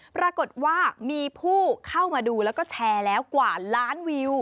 ปรากฏว่ามีผู้เข้ามาดูแล้วก็แชร์แล้วกว่าล้านวิว